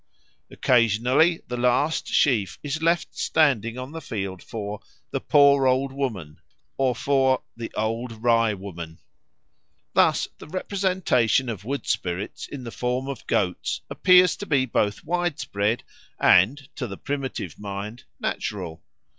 Occasionally the last sheaf is left standing on the field for "the Poor Old Woman" or for "the Old Rye woman." Thus the representation of wood spirits in the form of goats appears to be both widespread and, to the primitive mind, natural.